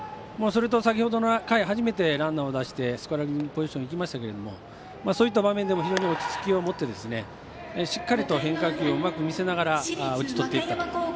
それと、先ほどの回初めてランナーを出してスコアリングポジションにいきましたけれどもそういった場面でも非常に落ち着きを持ってしっかりと、変化球をうまく見せながら打ち取ってきたと。